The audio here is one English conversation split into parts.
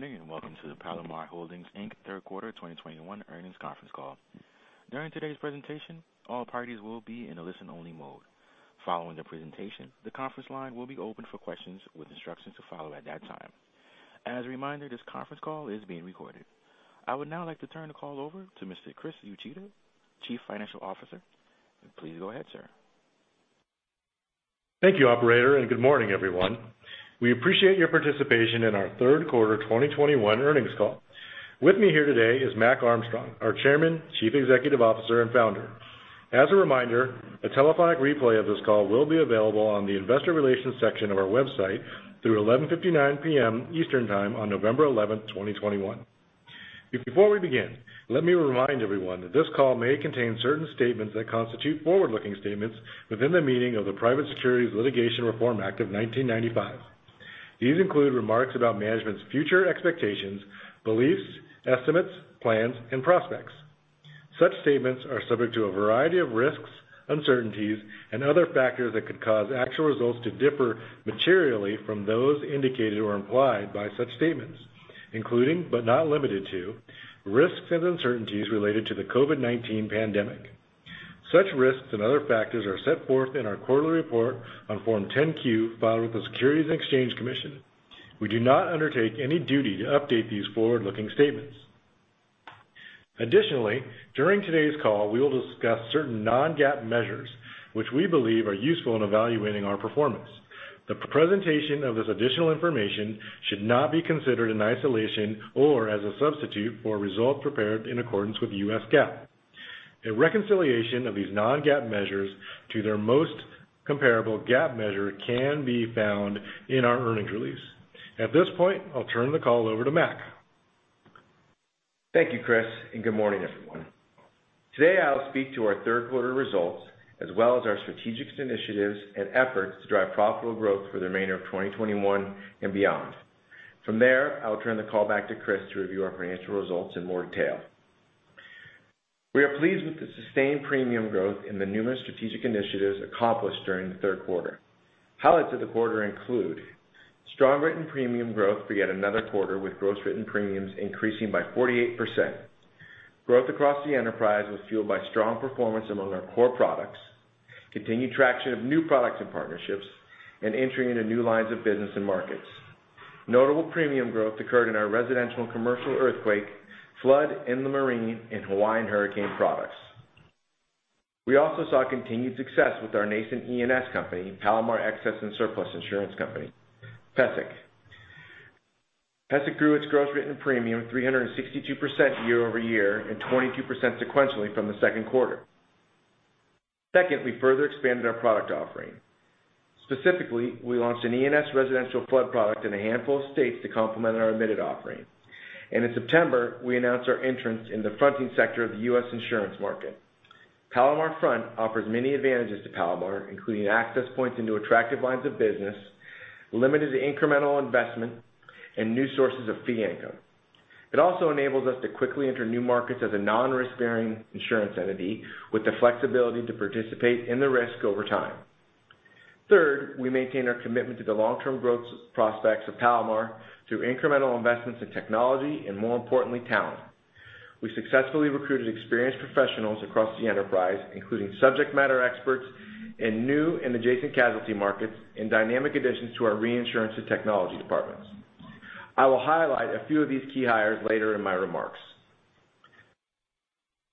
Good morning, and welcome to the Palomar Holdings, Inc. Third Quarter 2021 Earnings Conference Call. During today's presentation, all parties will be in a listen-only mode. Following the presentation, the conference line will be open for questions with instructions to follow at that time. As a reminder, this conference call is being recorded. I would now like to turn the call over to Mr. Chris Uchida, Chief Financial Officer. Please go ahead, sir. Thank you, operator. Good morning, everyone. We appreciate your participation in our third quarter 2021 earnings call. With me here today is Mac Armstrong, our Chairman, Chief Executive Officer, and Founder. As a reminder, a telephonic replay of this call will be available on the investor relations section of our website through 11:59 P.M. Eastern Time on November 11, 2021. Before we begin, let me remind everyone that this call may contain certain statements that constitute forward-looking statements within the meaning of the Private Securities Litigation Reform Act of 1995. These include remarks about management's future expectations, beliefs, estimates, plans, and prospects. Such statements are subject to a variety of risks, uncertainties, and other factors that could cause actual results to differ materially from those indicated or implied by such statements, including but not limited to, risks and uncertainties related to the COVID-19 pandemic. Such risks and other factors are set forth in our quarterly report on Form 10-Q filed with the Securities and Exchange Commission. We do not undertake any duty to update these forward-looking statements. Additionally, during today's call, we will discuss certain non-GAAP measures, which we believe are useful in evaluating our performance. The presentation of this additional information should not be considered in isolation or as a substitute for results prepared in accordance with U.S. GAAP. A reconciliation of these non-GAAP measures to their most comparable GAAP measure can be found in our earnings release. At this point, I'll turn the call over to Mac. Thank you, Chris. Good morning, everyone. Today, I'll speak to our third quarter results, as well as our strategic initiatives and efforts to drive profitable growth for the remainder of 2021 and beyond. From there, I'll turn the call back to Chris to review our financial results in more detail. We are pleased with the sustained premium growth in the numerous strategic initiatives accomplished during the third quarter. Highlights of the quarter include strong written premium growth for yet another quarter, with gross written premiums increasing by 48%. Growth across the enterprise was fueled by strong performance among our core products, continued traction of new products and partnerships, and entering into new lines of business and markets. Notable premium growth occurred in our residential and commercial earthquake, flood, inland marine, and Hawaiian hurricane products. We also saw continued success with our nascent E&S company, Palomar Excess and Surplus Insurance Company, PESIC. PESIC grew its gross written premium 362% year-over-year and 22% sequentially from the second quarter. Second, we further expanded our product offering. Specifically, we launched an E&S residential flood product in a handful of states to complement our admitted offering. In September, we announced our entrance in the fronting sector of the U.S. insurance market. Palomar Front offers many advantages to Palomar, including access points into attractive lines of business, limited incremental investment, and new sources of fee income. It also enables us to quickly enter new markets as a non-risk-bearing insurance entity with the flexibility to participate in the risk over time. Third, we maintain our commitment to the long-term growth prospects of Palomar through incremental investments in technology and, more importantly, talent. We successfully recruited experienced professionals across the enterprise, including subject matter experts in new and adjacent casualty markets, and dynamic additions to our reinsurance and technology departments. I will highlight a few of these key hires later in my remarks.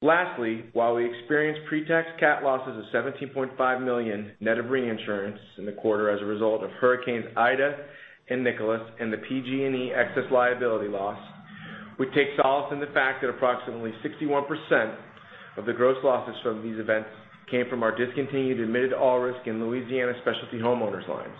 Lastly, while we experienced pre-tax cat losses of $17.5 million net of reinsurance in the quarter as a result of hurricanes Ida and Nicholas and the PG&E excess liability loss, we take solace in the fact that approximately 61% of the gross losses from these events came from our discontinued admitted all-risk and Louisiana specialty homeowners lines.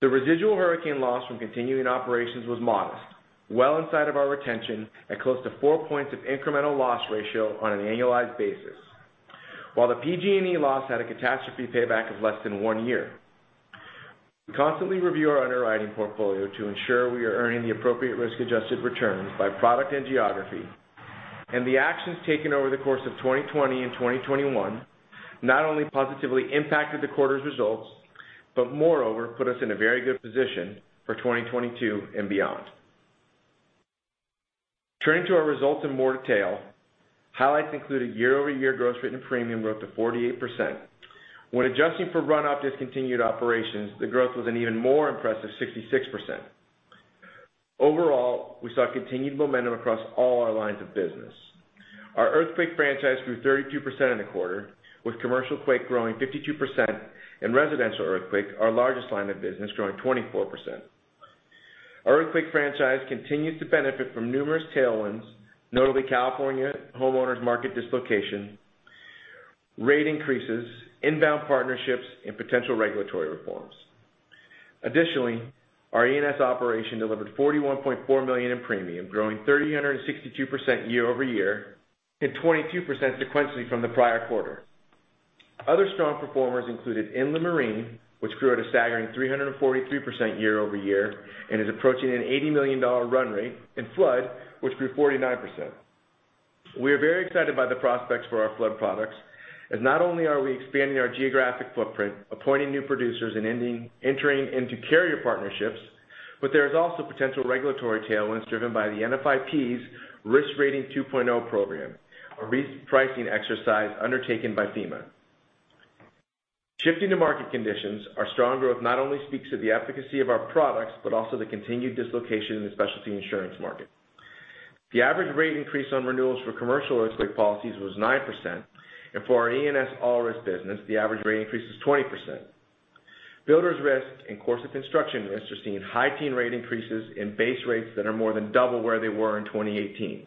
The residual hurricane loss from continuing operations was modest, well inside of our retention at close to four points of incremental loss ratio on an annualized basis. While the PG&E loss had a catastrophe payback of less than one year. We constantly review our underwriting portfolio to ensure we are earning the appropriate risk-adjusted returns by product and geography. The actions taken over the course of 2020 and 2021 not only positively impacted the quarter's results, but moreover, put us in a very good position for 2022 and beyond. Turning to our results in more detail, highlights include a year-over-year gross written premium growth of 48%. When adjusting for run-off discontinued operations, the growth was an even more impressive 66%. Overall, we saw continued momentum across all our lines of business. Our earthquake franchise grew 32% in the quarter, with commercial quake growing 52% and residential earthquake, our largest line of business, growing 24%. Our earthquake franchise continues to benefit from numerous tailwinds, notably California homeowners market dislocation, rate increases, inbound partnerships, and potential regulatory reforms. Additionally, our E&S operation delivered $41.4 million in premium, growing 362% year-over-year and 22% sequentially from the prior quarter. Other strong performers included inland marine, which grew at a staggering 343% year-over-year and is approaching an $80 million run rate, and flood, which grew 49%. We are very excited by the prospects for our flood products, as not only are we expanding our geographic footprint, appointing new producers, and entering into carrier partnerships, but there is also potential regulatory tailwinds driven by the NFIP's Risk Rating 2.0 program, a re-pricing exercise undertaken by FEMA. Shifting to market conditions, our strong growth not only speaks to the efficacy of our products, but also the continued dislocation in the specialty insurance market. The average rate increase on renewals for commercial earthquake policies was 9%, and for our E&S all risk business, the average rate increase was 20%. Builders risk and course of construction risk are seeing high teen rate increases in base rates that are more than double where they were in 2018.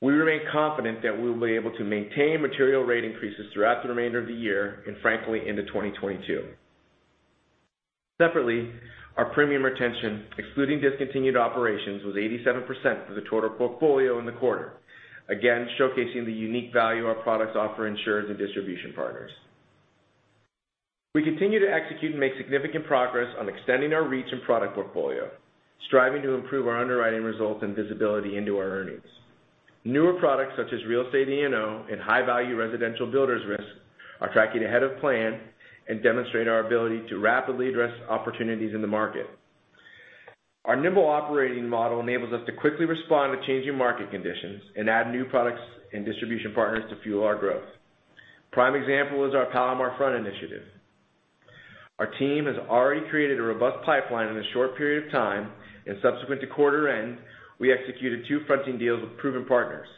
We remain confident that we will be able to maintain material rate increases throughout the remainder of the year, and frankly, into 2022. Separately, our premium retention, excluding discontinued operations, was 87% for the total portfolio in the quarter, again, showcasing the unique value our products offer insurers and distribution partners. We continue to execute and make significant progress on extending our reach and product portfolio, striving to improve our underwriting results and visibility into our earnings. Newer products such as Real Estate E&O and high-value residential builders risk are tracking ahead of plan and demonstrate our ability to rapidly address opportunities in the market. Our nimble operating model enables us to quickly respond to changing market conditions and add new products and distribution partners to fuel our growth. Prime example is our Palomar Front initiative. Our team has already created a robust pipeline in a short period of time, and subsequent to quarter end, we executed two fronting deals with proven partners.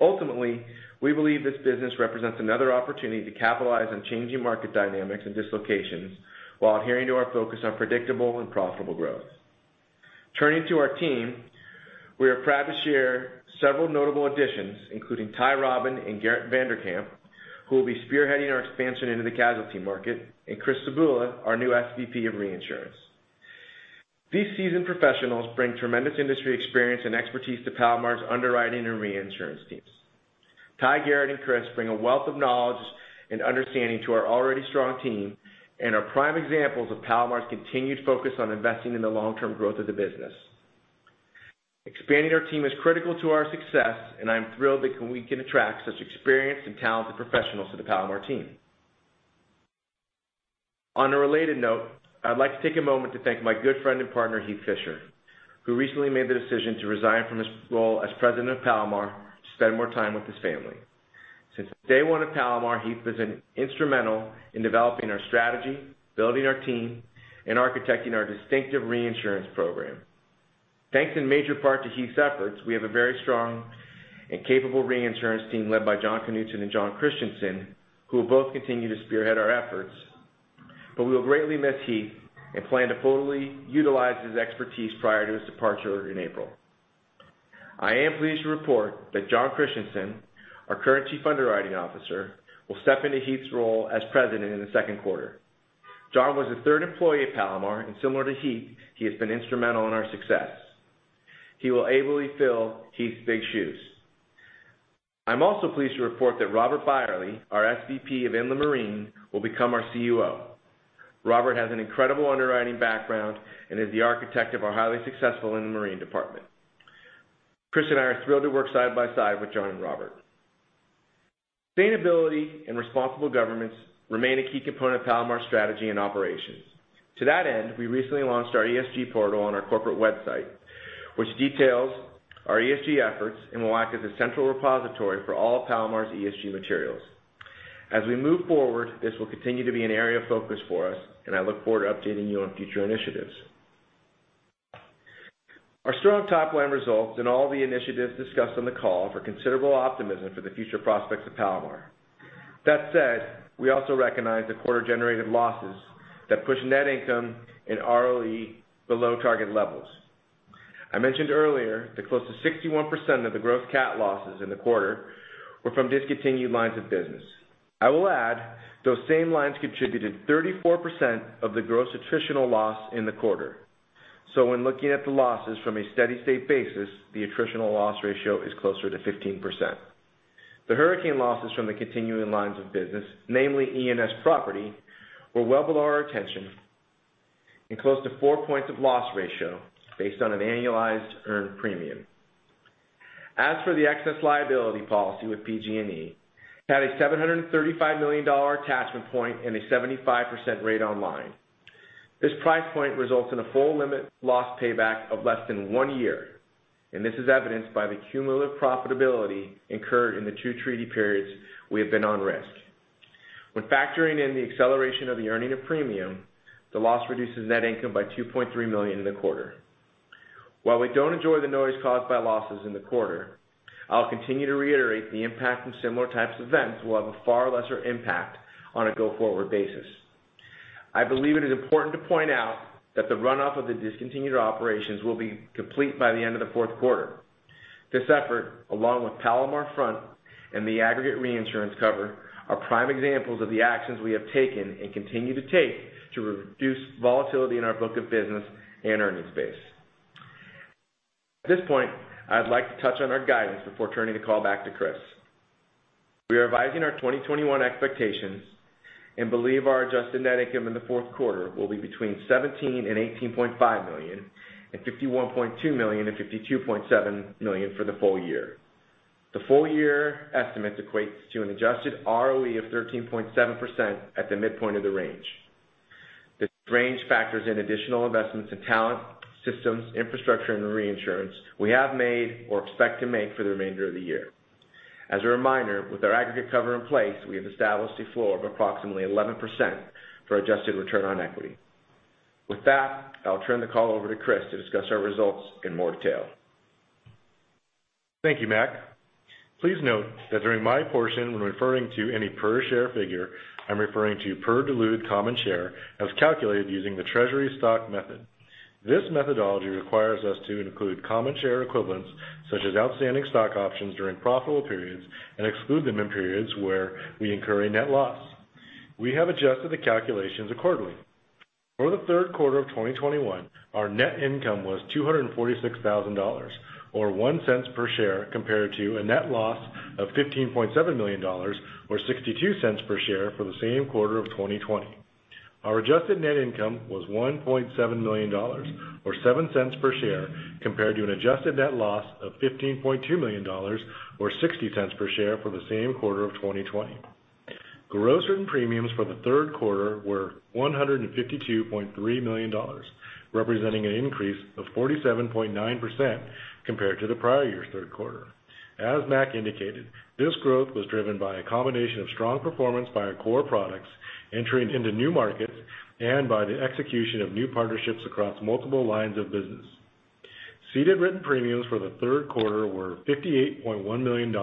Ultimately, we believe this business represents another opportunity to capitalize on changing market dynamics and dislocations while adhering to our focus on predictable and profitable growth. Turning to our team, we are proud to share several notable additions, including Ty Robben and Gerrit VandeKemp, who will be spearheading our expansion into the casualty market, and Chris Cebula, our new SVP of Reinsurance. These seasoned professionals bring tremendous industry experience and expertise to Palomar's underwriting and reinsurance teams. Ty, Gerrit, and Chris bring a wealth of knowledge and understanding to our already strong team and are prime examples of Palomar's continued focus on investing in the long-term growth of the business. Expanding our team is critical to our success, I am thrilled that we can attract such experienced and talented professionals to the Palomar team. On a related note, I'd like to take a moment to thank my good friend and partner, Heath Fisher, who recently made the decision to resign from his role as President of Palomar to spend more time with his family. Since day one at Palomar, Heath has been instrumental in developing our strategy, building our team, and architecting our distinctive reinsurance program. Thanks in major part to Heath's efforts, we have a very strong and capable reinsurance team led by Jon Knutzen and Jon Christianson, who will both continue to spearhead our efforts. We will greatly miss Heath and plan to fully utilize his expertise prior to his departure in April. I am pleased to report that Jon Christianson, our current Chief Underwriting Officer, will step into Heath's role as President in the second quarter. Jon was the third employee at Palomar. Similar to Heath, he has been instrumental in our success. He will ably fill Heath's big shoes. I'm also pleased to report that Robert Beyerle, our SVP of Inland Marine, will become our CUO. Robert has an incredible underwriting background and is the architect of our highly successful Inland Marine department. Chris and I are thrilled to work side by side with Jon and Robert. Sustainability and responsible governance remain a key component of Palomar's strategy and operations. To that end, we recently launched our ESG portal on our corporate website, which details our ESG efforts and will act as a central repository for all of Palomar's ESG materials. As we move forward, this will continue to be an area of focus for us, and I look forward to updating you on future initiatives. Our strong top-line results and all the initiatives discussed on the call offer considerable optimism for the future prospects of Palomar. That said, we also recognize the quarter-generated losses that pushed net income and ROE below target levels. I mentioned earlier that close to 61% of the gross cat losses in the quarter were from discontinued lines of business. I will add, those same lines contributed 34% of the gross attritional loss in the quarter. When looking at the losses from a steady-state basis, the attritional loss ratio is closer to 15%. The hurricane losses from the continuing lines of business, namely E&S property, were well below our retention and close to four points of loss ratio based on an annualized earned premium. As for the excess liability policy with PG&E, it had a $735 million attachment point and a 75% rate on line. This price point results in a full limit loss payback of less than one year, and this is evidenced by the cumulative profitability incurred in the two treaty periods we have been on risk. When factoring in the acceleration of the earning of premium, the loss reduces net income by $2.3 million in the quarter. While we don't enjoy the noise caused by losses in the quarter, I'll continue to reiterate the impact from similar types of events will have a far lesser impact on a go-forward basis. I believe it is important to point out that the runoff of the discontinued operations will be complete by the end of the fourth quarter. This effort, along with Palomar Front and the aggregate reinsurance cover, are prime examples of the actions we have taken and continue to take to reduce volatility in our book of business and earnings base. At this point, I'd like to touch on our guidance before turning the call back to Chris. We are revising our 2021 expectations and believe our adjusted net income in the fourth quarter will be between $17 million and $18.5 million and $51.2 million and $52.7 million for the full year. The full year estimate equates to an adjusted ROE of 13.7% at the midpoint of the range. This range factors in additional investments in talent, systems, infrastructure, and reinsurance we have made or expect to make for the remainder of the year. As a reminder, with our aggregate cover in place, we have established a floor of approximately 11% for adjusted return on equity. With that, I'll turn the call over to Chris to discuss our results in more detail. Thank you, Mac. Please note that during my portion, when referring to any per share figure, I'm referring to per diluted common share as calculated using the treasury stock method. This methodology requires us to include common share equivalents, such as outstanding stock options, during profitable periods and exclude them in periods where we incur a net loss. We have adjusted the calculations accordingly. For the third quarter of 2021, our net income was $246,000, or $0.01 per share, compared to a net loss of $15.7 million, or $0.62 per share for the same quarter of 2020. Our adjusted net income was $1.7 million, or $0.07 per share, compared to an adjusted net loss of $15.2 million, or $0.60 per share for the same quarter of 2020. Gross written premiums for the third quarter were $152.3 million, representing an increase of 47.9% compared to the prior year's third quarter. As Mac indicated, this growth was driven by a combination of strong performance by our core products entering into new markets, and by the execution of new partnerships across multiple lines of business. Ceded written premiums for the third quarter were $58.1 million,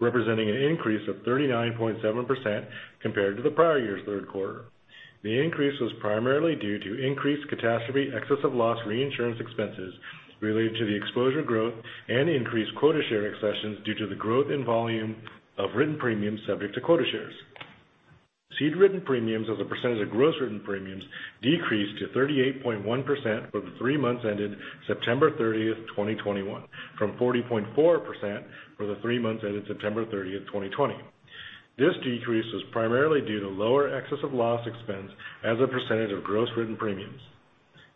representing an increase of 39.7% compared to the prior year's third quarter. The increase was primarily due to increased catastrophe excess of loss reinsurance expenses related to the exposure growth and increased quota share excesses due to the growth in volume of written premiums subject to quota shares. Ceded written premiums as a percentage of gross written premiums decreased to 38.1% for the three months ended September 30, 2021, from 40.4% for the three months ended September 30, 2020. This decrease was primarily due to lower excess of loss expense as a percentage of gross written premiums.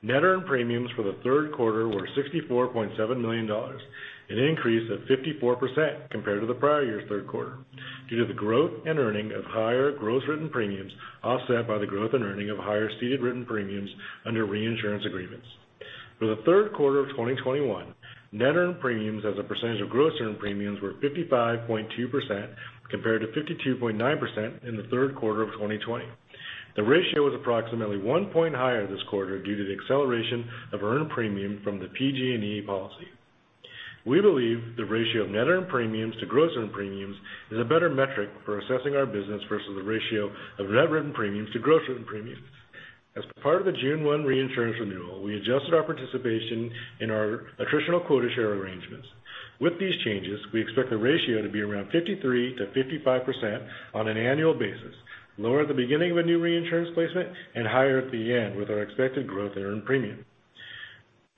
Net earned premiums for the third quarter were $64.7 million, an increase of 54% compared to the prior year's third quarter due to the growth and earning of higher gross written premiums offset by the growth and earning of higher ceded written premiums under reinsurance agreements. For the third quarter of 2021, net earned premiums as a percentage of gross earned premiums were 55.2%, compared to 52.9% in the third quarter of 2020. The ratio was approximately one point higher this quarter due to the acceleration of earned premium from the PG&E policy. We believe the ratio of net earned premiums to gross earned premiums is a better metric for assessing our business versus the ratio of net written premiums to gross written premiums. As part of the June 1 reinsurance renewal, we adjusted our participation in our attritional quota share arrangements. With these changes, we expect the ratio to be around 53%-55% on an annual basis, lower at the beginning of a new reinsurance placement and higher at the end with our expected growth in earned premium.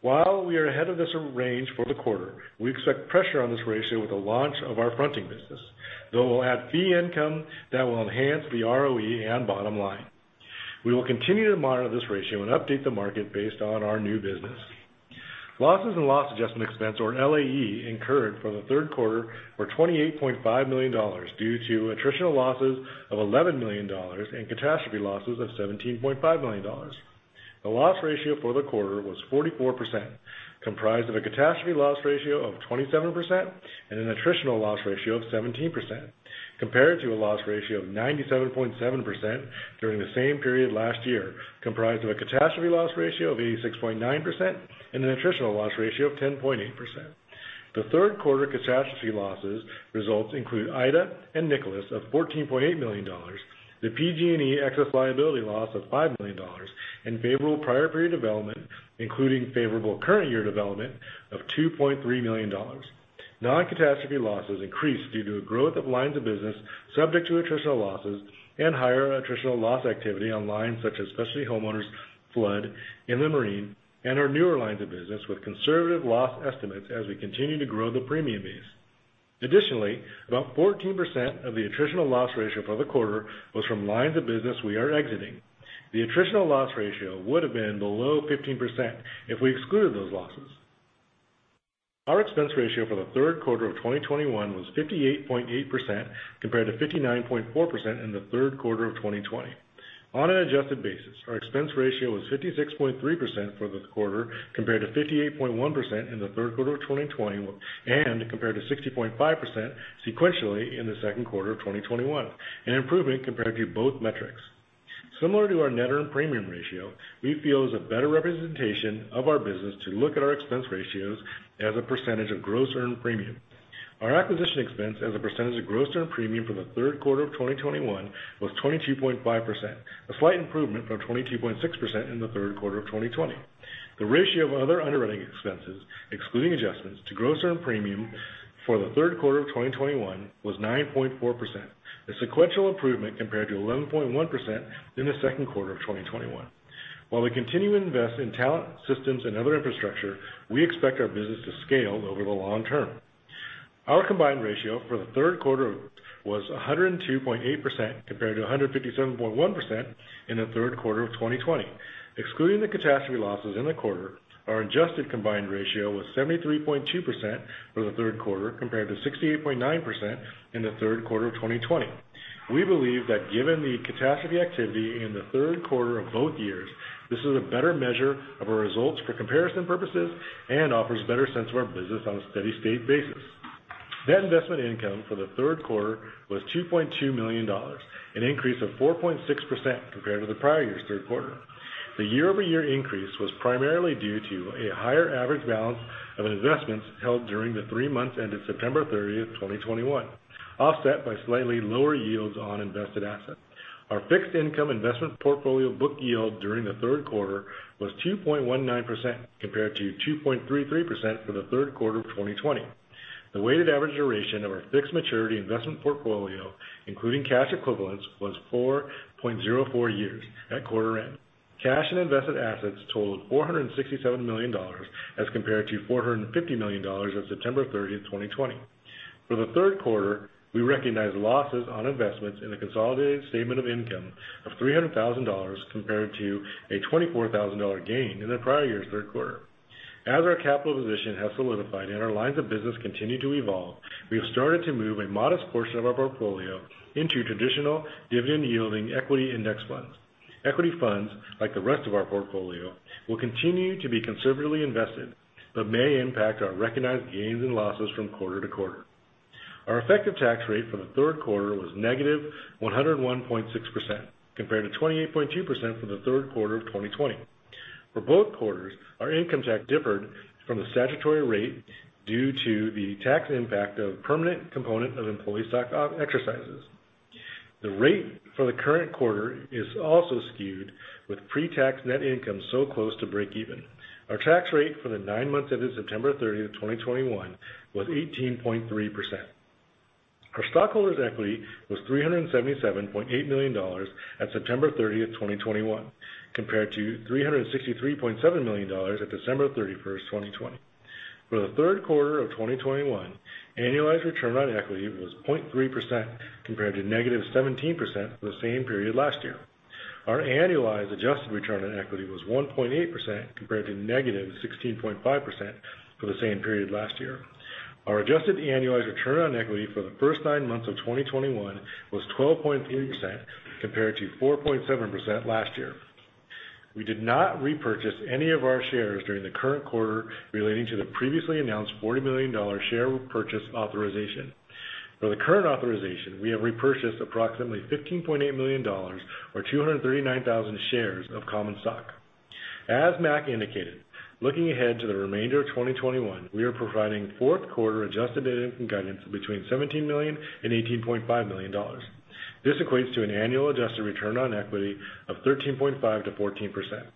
While we are ahead of this range for the quarter, we expect pressure on this ratio with the launch of our Palomar Front business, though it will add fee income that will enhance the ROE and bottom line. We will continue to monitor this ratio and update the market based on our new business. Losses and loss adjustment expense, or LAE, incurred for the third quarter were $28.5 million due to attritional losses of $11 million and catastrophe losses of $17.5 million. The loss ratio for the quarter was 44%, comprised of a catastrophe loss ratio of 27% and an attritional loss ratio of 17%, compared to a loss ratio of 97.7% during the same period last year, comprised of a catastrophe loss ratio of 86.9% and an attritional loss ratio of 10.8%. The third quarter catastrophe losses results include Ida and Nicholas of $14.8 million, the PG&E excess liability loss of $5 million, and favorable prior period development, including favorable current year development of $2.3 million. Non-catastrophe losses increased due to a growth of lines of business subject to attritional losses and higher attritional loss activity on lines such as specialty homeowners flood and inland marine and our newer lines of business with conservative loss estimates as we continue to grow the premium base. About 14% of the attritional loss ratio for the quarter was from lines of business we are exiting. The attritional loss ratio would have been below 15% if we excluded those losses. Our expense ratio for the third quarter of 2021 was 58.8%, compared to 59.4% in the third quarter of 2020. On an adjusted basis, our expense ratio was 56.3% for the quarter compared to 58.1% in the third quarter of 2020 and compared to 60.5% sequentially in the second quarter of 2021, an improvement compared to both metrics. Similar to our net earned premium ratio, we feel it's a better representation of our business to look at our expense ratios as a percentage of gross earned premium. Our acquisition expense as a percentage of gross earned premium for the third quarter of 2021 was 22.5%, a slight improvement from 22.6% in the third quarter of 2020. The ratio of other underwriting expenses, excluding adjustments to gross earned premium for the third quarter of 2021 was 9.4%, a sequential improvement compared to 11.1% in the second quarter of 2021. While we continue to invest in talent, systems, and other infrastructure, we expect our business to scale over the long term. Our combined ratio for the third quarter was 102.8%, compared to 157.1% in the third quarter of 2020. Excluding the catastrophe losses in the quarter, our adjusted combined ratio was 73.2% for the third quarter, compared to 68.9% in the third quarter of 2020. We believe that given the catastrophe activity in the third quarter of both years, this is a better measure of our results for comparison purposes and offers a better sense of our business on a steady-state basis. Net investment income for the third quarter was $2.2 million, an increase of 4.6% compared to the prior year's third quarter. The year-over-year increase was primarily due to a higher average balance of investments held during the three months ended September 30, 2021, offset by slightly lower yields on invested assets. Our fixed income investment portfolio book yield during the third quarter was 2.19%, compared to 2.33% for the third quarter of 2020. The weighted average duration of our fixed maturity investment portfolio, including cash equivalents, was 4.04 years at quarter end. Cash and invested assets totaled $467 million as compared to $450 million as of September 30, 2020. For the third quarter, we recognized losses on investments in the consolidated statement of income of $300,000 compared to a $24,000 gain in the prior year's third quarter. As our capital position has solidified and our lines of business continue to evolve, we have started to move a modest portion of our portfolio into traditional dividend-yielding equity index funds. Equity funds, like the rest of our portfolio, will continue to be conservatively invested but may impact our recognized gains and losses from quarter to quarter. Our effective tax rate for the third quarter was -101.6%, compared to 28.2% for the third quarter of 2020. For both quarters, our income tax differed from the statutory rate due to the tax impact of permanent component of employee stock exercises. The rate for the current quarter is also skewed with pre-tax net income so close to breakeven. Our tax rate for the nine months ended September 30th, 2021, was 18.3%. Our stockholders' equity was $377.8 million at September 30th, 2021, compared to $363.7 million at December 31st, 2020. For the third quarter of 2021, annualized return on equity was 0.3% compared to -17% for the same period last year. Our annualized adjusted return on equity was 1.8%, compared to -16.5% for the same period last year. Our adjusted annualized return on equity for the first nine months of 2021 was 12.8% compared to 4.7% last year. We did not repurchase any of our shares during the current quarter relating to the previously announced $40 million share purchase authorization. For the current authorization, we have repurchased approximately $15.8 million or 239,000 shares of common stock. As Mac indicated, looking ahead to the remainder of 2021, we are providing fourth quarter adjusted income guidance between $17 million and $18.5 million. This equates to an annual adjusted return on equity of 13.5%-14%.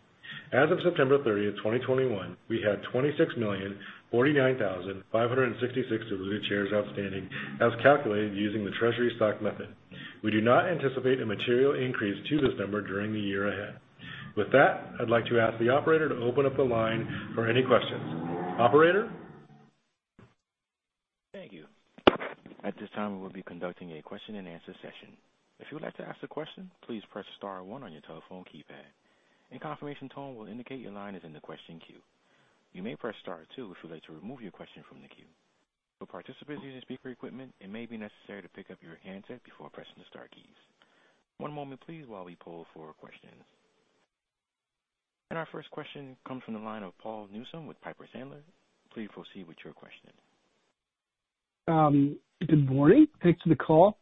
As of September 30th, 2021, we had 26,049,566 diluted shares outstanding as calculated using the treasury stock method. We do not anticipate a material increase to this number during the year ahead. With that, I'd like to ask the operator to open up the line for any questions. Operator? Thank you. At this time, we'll be conducting a question-and-answer session. If you would like to ask a question, please press star one on your telephone keypad. A confirmation tone will indicate your line is in the question queue. You may press star two if you would like to remove your question from the queue. For participants using speaker equipment, it may be necessary to pick up your handset before pressing the star keys. One moment, please, while we poll for questions. Our first question comes from the line of Paul Newsome with Piper Sandler. Please proceed with your question. Good morning. Thanks for the call.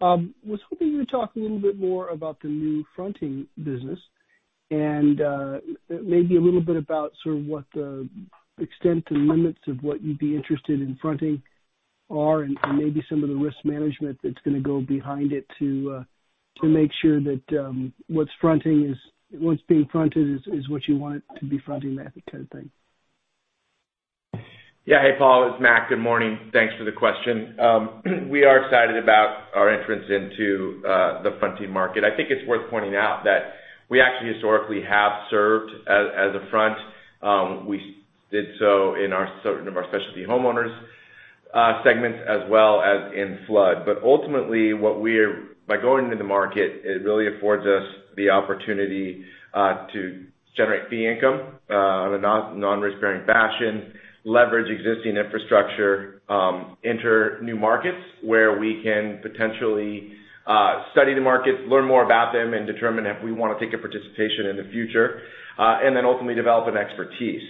I was hoping you would talk a little bit more about the new fronting business and maybe a little bit about what the extent and limits of what you'd be interested in fronting are and maybe some of the risk management that's going to go behind it to make sure that what's being fronted is what you want to be fronting, that kind of thing. Yeah. Hey, Paul, it's Mac. Good morning. Thanks for the question. We are excited about our entrance into the Palomar Front market. I think it's worth pointing out that we actually historically have served as a front. We did so in our specialty homeowners segments as well as in flood. Ultimately, by going into the market, it really affords us the opportunity to generate fee income in a non-risk-bearing fashion, leverage existing infrastructure, enter new markets where we can potentially study the markets, learn more about them, and determine if we want to take a participation in the future, and then ultimately develop an expertise.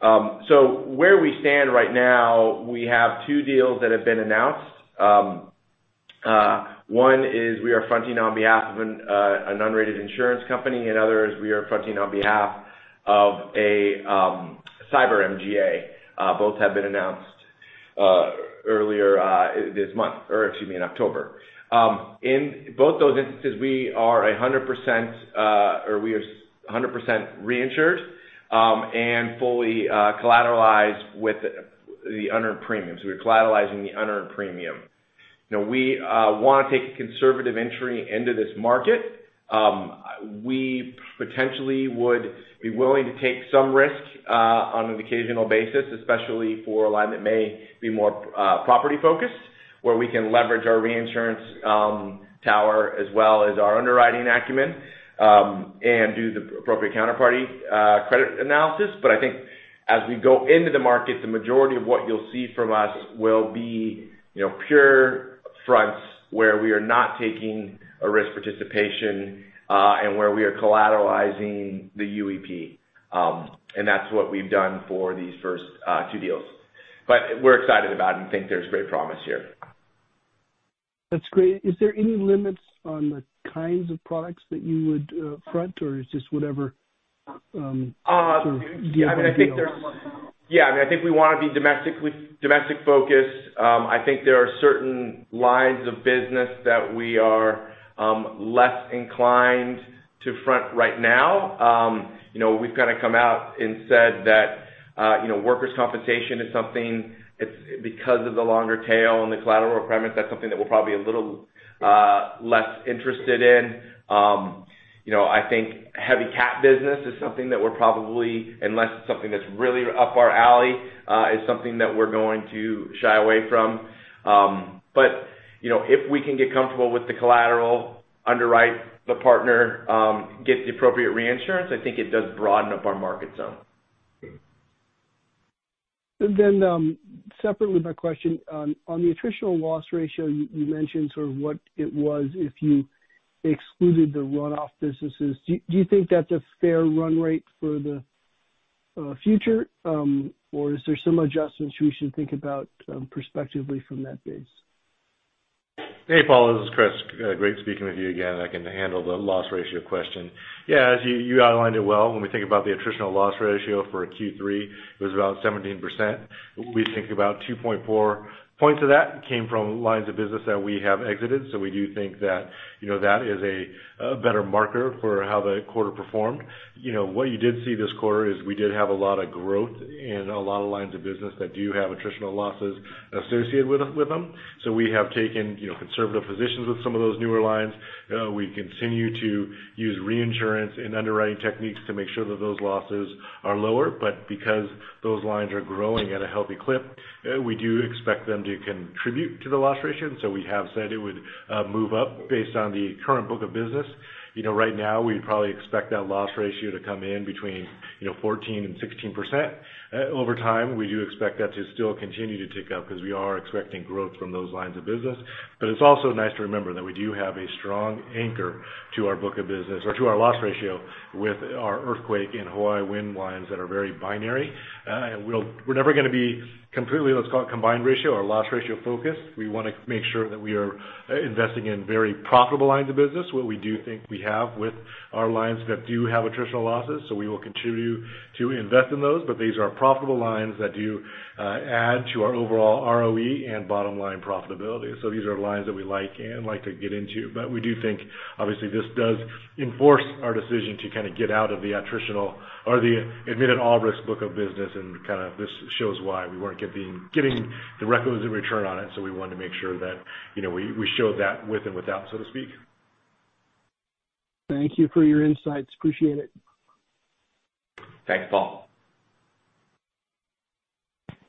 Where we stand right now, we have two deals that have been announced. One is we are fronting on behalf of an unrated insurance company. Another is we are fronting on behalf of a cyber MGA. Both have been announced earlier this month, or excuse me, in October. In both those instances, we are 100% reinsured and fully collateralized with the unearned premiums. We are collateralizing the unearned premium. We want to take a conservative entry into this market. We potentially would be willing to take some risk on an occasional basis, especially for a line that may be more property-focused, where we can leverage our reinsurance tower as well as our underwriting acumen, and do the appropriate counterparty credit analysis. I think as we go into the market, the majority of what you'll see from us will be pure fronts, where we are not taking a risk participation, and where we are collateralizing the UEP. That's what we've done for these first two deals. We're excited about it and think there's great promise here. That's great. Is there any limits on the kinds of products that you would front or it's just whatever deal comes your way? Yeah. I think we want to be domestic-focused. I think there are certain lines of business that we are less inclined to front right now. We've kind of come out and said that workers' compensation is something, because of the longer tail and the collateral requirements, that's something that we're probably a little less interested in. I think heavy cat business is something that we're probably, unless it's something that's really up our alley, is something that we're going to shy away from. If we can get comfortable with the collateral, underwrite the partner, get the appropriate reinsurance, I think it does broaden up our market zone. Separately my question, on the attritional loss ratio, you mentioned sort of what it was if you excluded the runoff businesses. Do you think that's a fair run rate for the future, or is there some adjustments we should think about perspectively from that base? Hey, Paul, this is Chris. Great speaking with you again. I can handle the loss ratio question. Yeah, as you outlined it well, when we think about the attritional loss ratio for Q3, it was around 17%. We think about 2.4 points of that came from lines of business that we have exited. We do think that is a better marker for how the quarter performed. What you did see this quarter is we did have a lot of growth in a lot of lines of business that do have attritional losses associated with them, we have taken conservative positions with some of those newer lines. We continue to use reinsurance and underwriting techniques to make sure that those losses are lower. Because those lines are growing at a healthy clip, we do expect them to contribute to the loss ratio, and so we have said it would move up based on the current book of business. Right now we'd probably expect that loss ratio to come in between 14%-16%. Over time, we do expect that to still continue to tick up because we are expecting growth from those lines of business. It's also nice to remember that we do have a strong anchor to our book of business or to our loss ratio with our earthquake and Hawaii wind lines that are very binary. We're never going to be completely, let's call it combined ratio or loss ratio focused. We want to make sure that we are investing in very profitable lines of business, what we do think we have with our lines that do have attritional losses. We will continue to invest in those, but these are profitable lines that do add to our overall ROE and bottom-line profitability. These are lines that we like and like to get into. We do think, obviously, this does enforce our decision to kind of get out of the attritional or the admitted all risk book of business, and kind of this shows why we weren't getting the requisite return on it, so we wanted to make sure that we showed that with and without, so to speak. Thank you for your insights. Appreciate it. Thanks, Paul.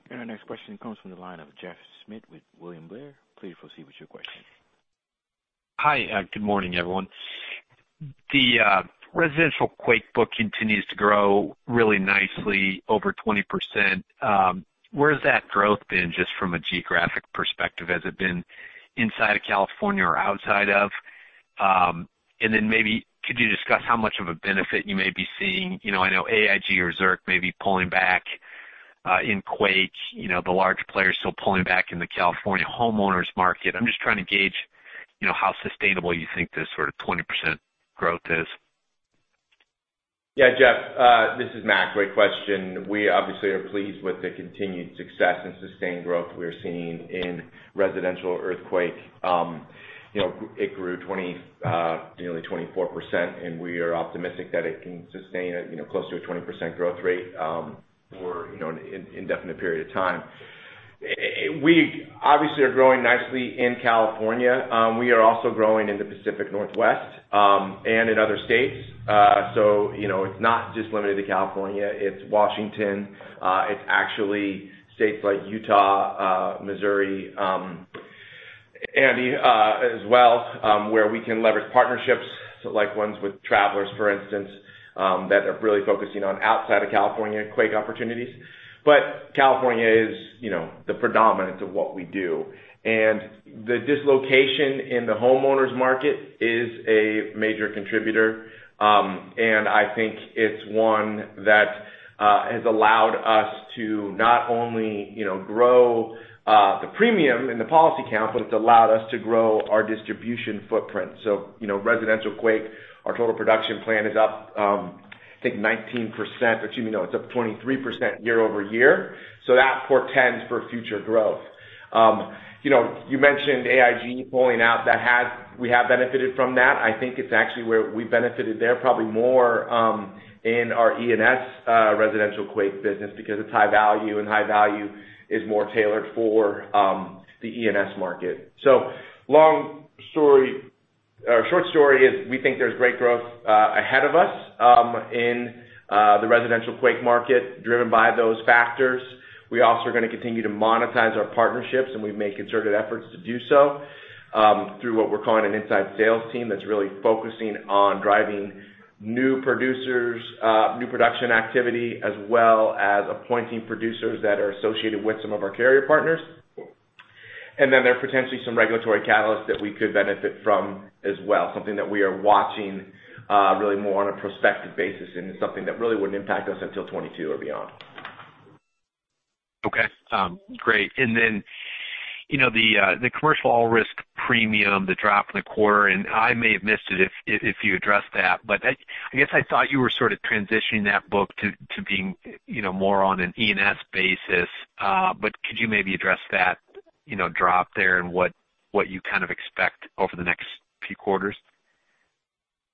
Our next question comes from the line of Jeff Schmitt with William Blair. Please proceed with your question. Hi. Good morning, everyone. The residential quake book continues to grow really nicely, over 20%. Where has that growth been just from a geographic perspective? Has it been inside of California or outside of? Then maybe could you discuss how much of a benefit you may be seeing? I know AIG or Zurich may be pulling back in quake, the large players still pulling back in the California homeowners market. I am just trying to gauge how sustainable you think this sort of 20% growth is. Yeah, Jeff, this is Mac. Great question. We obviously are pleased with the continued success and sustained growth we are seeing in residential earthquake. It grew nearly 24%, we are optimistic that it can sustain close to a 20% growth rate for an indefinite period of time. We obviously are growing nicely in California. We are also growing in the Pacific Northwest, and in other states. It is not just limited to California. It is Washington. It is actually states like Utah, Missouri, as well, where we can leverage partnerships like ones with Travelers, for instance, that are really focusing on outside of California quake opportunities. California is the predominance of what we do. The dislocation in the homeowners market is a major contributor, and I think it is one that has allowed us to not only grow the premium in the policy count, but it has allowed us to grow our distribution footprint. Residential quake, our total production plan is up, I think 19%, excuse me, no, it is up 23% year-over-year, that portends for future growth. You mentioned AIG pulling out. We have benefited from that. I think it is actually where we benefited there probably more in our E&S residential quake business because it is high value, and high value is more tailored for the E&S market. Our short story is we think there is great growth ahead of us in the residential quake market, driven by those factors. We also are going to continue to monetize our partnerships. We've made concerted efforts to do so through what we're calling an inside sales team that's really focusing on driving new production activity, as well as appointing producers that are associated with some of our carrier partners. There are potentially some regulatory catalysts that we could benefit from as well. Something that we are watching really more on a prospective basis, and it's something that really wouldn't impact us until 2022 or beyond. Okay, great. Then, the commercial all risk premium, the drop in the quarter, and I may have missed it if you addressed that, but I guess I thought you were sort of transitioning that book to being more on an E&S basis. Could you maybe address that drop there and what you kind of expect over the next few quarters?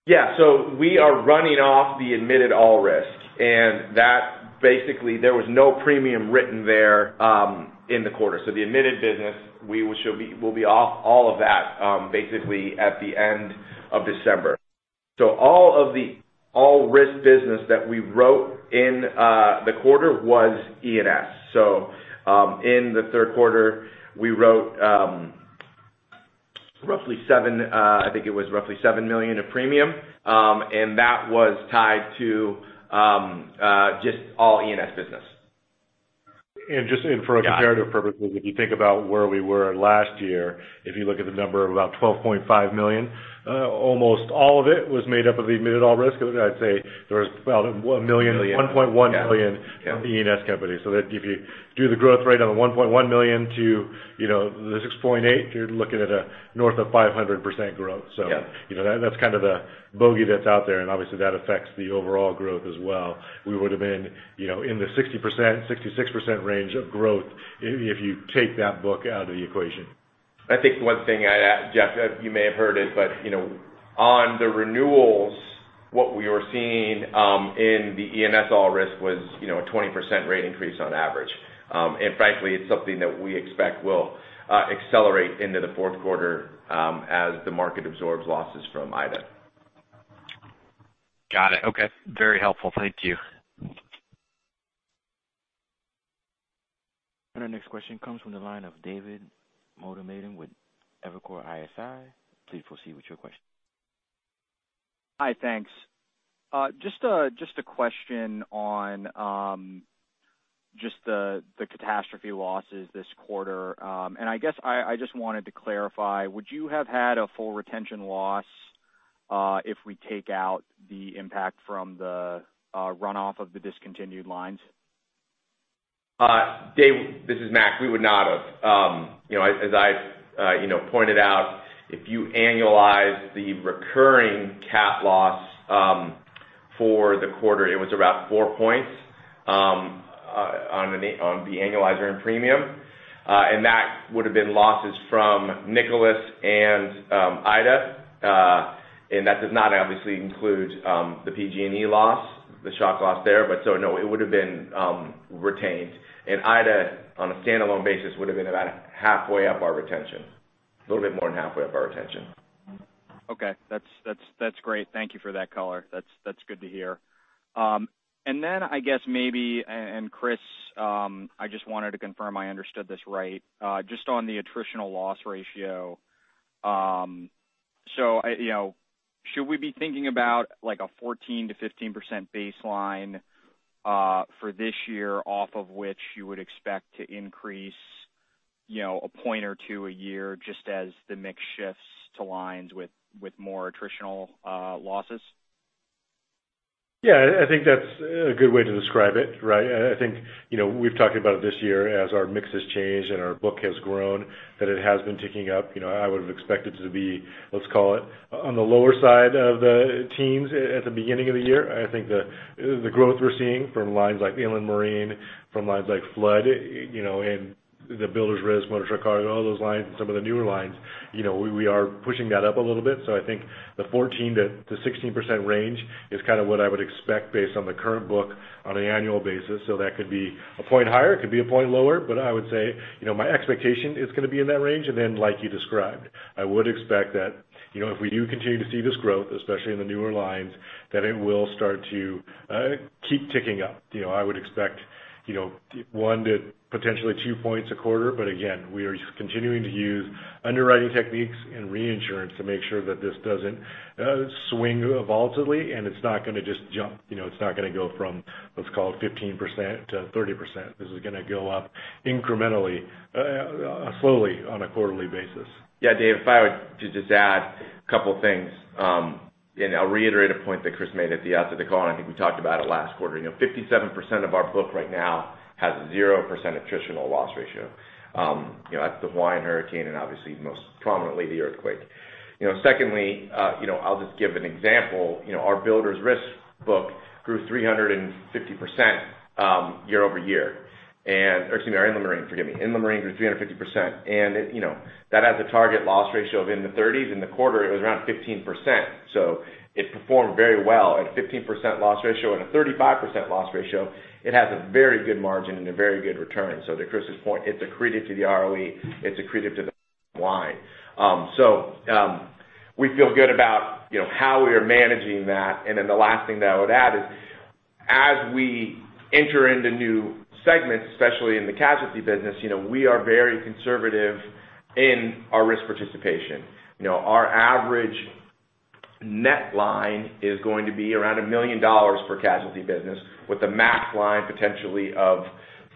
Yeah. We are running off the admitted all risk, and basically, there was no premium written there in the quarter. The admitted business, we'll be off all of that, basically, at the end of December. All of the all risk business that we wrote in the quarter was E&S. In the third quarter, we wrote, I think it was roughly $7 million of premium. That was tied to just all E&S business. Just in for comparative purposes, if you think about where we were last year, if you look at the number of about $12.5 million, almost all of it was made up of admitted all risk. I'd say there was about $1.1 million- Million. Yeah. of E&S company. If you do the growth rate on the $1.1 million to the $6.8 million, you're looking at north of 500% growth. Yeah that's kind of the bogey that's out there, obviously that affects the overall growth as well. We would've been in the 60%-66% range of growth if you take that book out of the equation. I think one thing, Jeff, you may have heard it, but on the renewals, what we were seeing in the E&S all risk was a 20% rate increase on average. Frankly, it's something that we expect will accelerate into the fourth quarter as the market absorbs losses from Ida. Got it. Okay. Very helpful. Thank you. Our next question comes from the line of David Motemaden with Evercore ISI. Please proceed with your question. Hi, thanks. Just a question on just the catastrophe losses this quarter. I guess I just wanted to clarify, would you have had a full retention loss if we take out the impact from the runoff of the discontinued lines? Dave, this is Mac. We would not have. As I pointed out, if you annualize the recurring cat loss for the quarter, it was about four points on the annualized premium. That would've been losses from Nicholas and Ida. That does not obviously include the PG&E loss, the shock loss there. No, it would've been retained. Ida, on a standalone basis, would've been about halfway up our retention. A little bit more than halfway up our retention. Okay. That's great. Thank you for that color. That's good to hear. I guess maybe, Chris, I just wanted to confirm I understood this right, just on the attritional loss ratio. Should we be thinking about a 14%-15% baseline for this year off of which you would expect to increase a point or two a year just as the mix shifts to lines with more attritional losses? Yeah. I think that's a good way to describe it. I think we've talked about it this year as our mix has changed and our book has grown, that it has been ticking up. I would've expected it to be, let's call it, on the lower side of the teens at the beginning of the year. I think the growth we're seeing from lines like Inland Marine, from lines like flood, and the builder's risk, motor truck cargo, all those lines, and some of the newer lines, we are pushing that up a little bit. I think the 14%-16% range is kind of what I would expect based on the current book on an annual basis. That could be a point higher, it could be a point lower, but I would say my expectation is going to be in that range. Like you described, I would expect that if we do continue to see this growth, especially in the newer lines, that it will start to keep ticking up. I would expect one to potentially two points a quarter, but again, we are continuing to use underwriting techniques and reinsurance to make sure that this doesn't swing volatilely, and it's not going to just jump. It's not going to go from, let's call it 15%-30%. This is going to go up incrementally, slowly, on a quarterly basis. Dave, if I were to just add a couple things, I'll reiterate a point that Chris made at the outset of the call, and I think we talked about it last quarter. 57% of our book right now has 0% attritional loss ratio. That's the Hawaiian hurricane and obviously most prominently the earthquake. Secondly, I'll just give an example. Our builder's risk book grew 350% year-over-year. Or excuse me, our Inland Marine, forgive me. Inland Marine grew 350%, and that has a target loss ratio of in the 30s. In the quarter, it was around 15%, so it performed very well. At a 15% loss ratio and a 35% loss ratio, it has a very good margin and a very good return. To Chris's point, it's accretive to the ROE, it's accretive to the bottom line. We feel good about how we are managing that. The last thing that I would add is as we enter into new segments, especially in the casualty business, we are very conservative in our risk participation. Our average net line is going to be around $1 million for casualty business, with a max line potentially of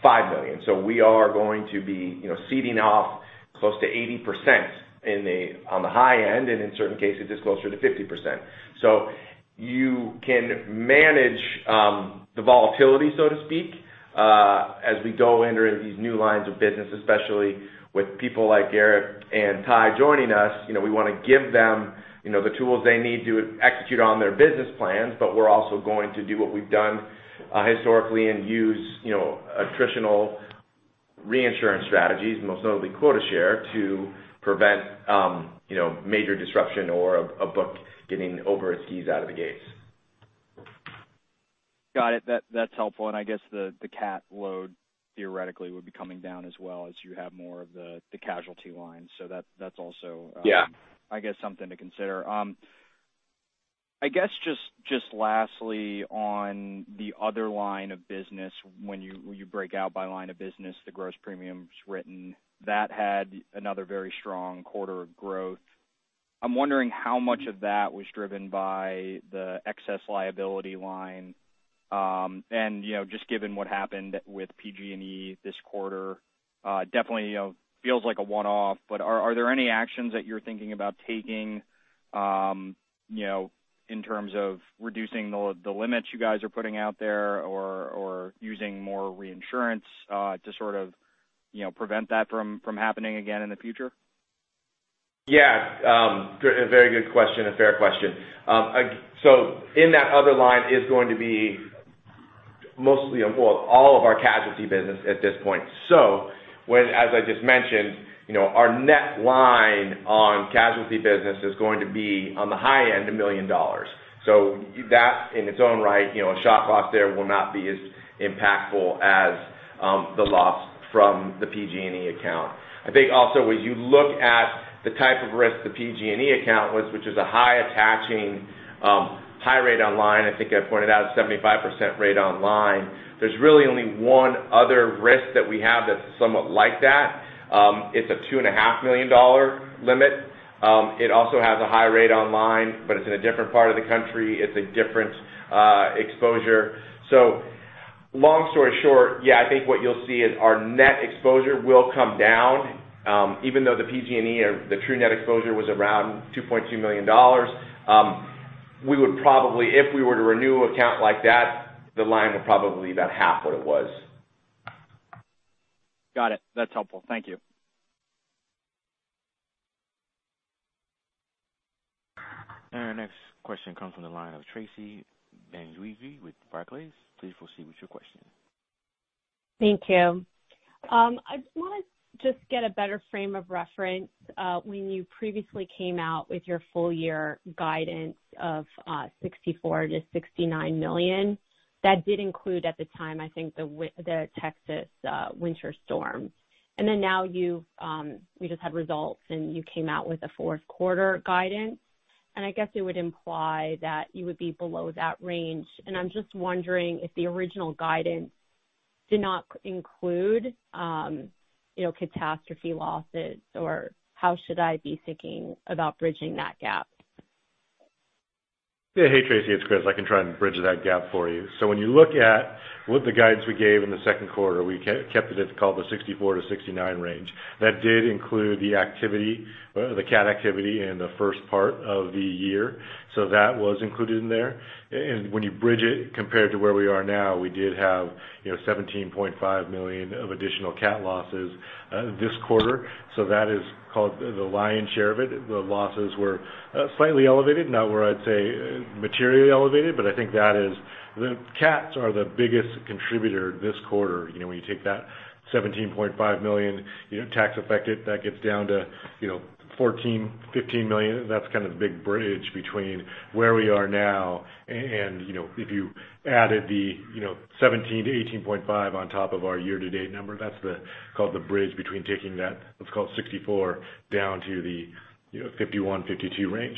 $5 million. We are going to be ceding off close to 80% on the high end, and in certain cases, it's closer to 50%. You can manage the volatility, so to speak, as we go into these new lines of business, especially with people like Gerrit and Ty joining us. We want to give them the tools they need to execute on their business plans, we're also going to do what we've done historically and use attritional reinsurance strategies, most notably quota share, to prevent major disruption or a book getting over its skis out of the gates. Got it. That's helpful. I guess the cat load theoretically would be coming down as well as you have more of the casualty line. Yeah I guess something to consider. I guess just lastly on the other line of business, when you break out by line of business, the gross premiums written, that had another very strong quarter of growth. I'm wondering how much of that was driven by the excess liability line. Just given what happened with PG&E this quarter, definitely feels like a one-off, are there any actions that you're thinking about taking in terms of reducing the limits you guys are putting out there or using more reinsurance, to sort of prevent that from happening again in the future? A very good question, a fair question. In that other line is going to be all of our casualty business at this point. As I just mentioned, our net line on casualty business is going to be, on the high end, $1 million. That in its own right, a shock loss there will not be as impactful as the loss from the PG&E account. I think also, when you look at the type of risk the PG&E account was, which is a high attaching, high rate on line, I think I pointed out 75% rate on line. There's really only one other risk that we have that's somewhat like that. It's a $2.5 million limit. It also has a high rate on line, but it's in a different part of the country. It's a different exposure. Long story short, yeah, I think what you'll see is our net exposure will come down. Even though the PG&E, the true net exposure was around $2.2 million, we would probably, if we were to renew an account like that, the line would probably be about half what it was. Got it. That's helpful. Thank you. Our next question comes from the line of Tracy Benguigui with Barclays. Please proceed with your question. Thank you. I want to just get a better frame of reference. When you previously came out with your full-year guidance of $64 million-$69 million, that did include, at the time, I think, the Texas Winter Storm. Now we just had results, you came out with a fourth quarter guidance, and I guess it would imply that you would be below that range. I'm just wondering if the original guidance did not include catastrophe losses, or how should I be thinking about bridging that gap? Yeah. Hey, Tracy, it's Chris. I can try and bridge that gap for you. When you look at what the guidance we gave in the second quarter, we kept it at called the $64 million-$69 million range. That did include the cat activity in the first part of the year. That was included in there. When you bridge it compared to where we are now, we did have $17.5 million of additional cat losses this quarter. That is called the lion's share of it. The losses were slightly elevated, not where I'd say materially elevated, but I think that is the cats are the biggest contributor this quarter. When you take that $17.5 million tax effect, that gets down to $14 million-$15 million. That's kind of the big bridge between where we are now and if you added the $17 million-$18.5 million on top of our year-to-date number, that's called the bridge between taking that, let's call it $64 million, down to the $51 million-$52 million range.